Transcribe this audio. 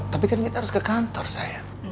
tapi kan kita harus ke kantor saya